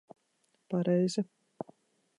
Pareizi.